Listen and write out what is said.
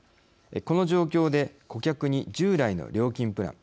この状況で顧客に従来の料金プラン